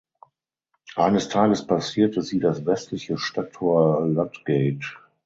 Eines Tages passierte sie das westliche Stadttor Ludgate.